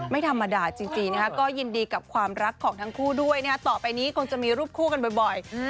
ไม่ธรรมดาจริงก็ยินดีกับความรักของทั้งคู่ด้วยต่อไปนี้คงจะมีรูปคู่กันบ่อย